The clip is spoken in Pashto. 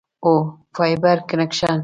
هو، فایبر کنکشن